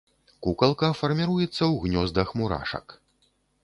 Кукалка фарміруецца ў гнёздах мурашак.